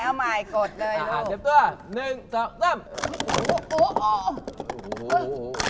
เอาใหม่กดเลยลูก